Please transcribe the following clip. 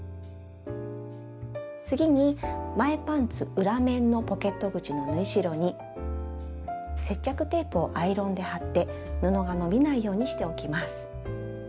次に前パンツ裏面のポケット口の縫い代に接着テープをアイロンで貼って布が伸びないようにしておきます。